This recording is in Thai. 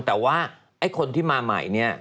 แต่ว่าไอ้คนที่มาใหม่เนี่ย